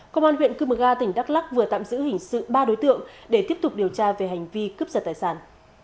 công an huyện cư mờ ga tỉnh đắk lắc vừa tạm giữ hình sự ba đối tượng để tiếp tục điều tra về hành vi cướp giật tài sản